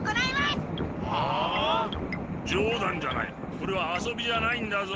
これは遊びじゃないんだぞ。